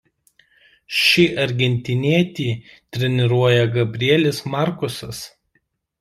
Šį argentinietį treniruoja Gabrielis Markusas.